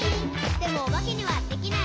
「でもおばけにはできない。」